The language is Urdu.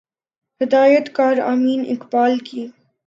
ہدایت کار امین اقبال کی